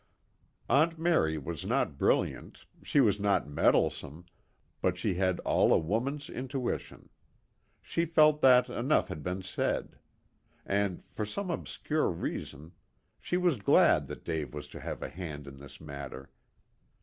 Aunt Mary was not brilliant, she was not meddlesome, but she had all a woman's intuition. She felt that enough had been said. And for some obscure reason she was glad that Dave was to have a hand in this matter.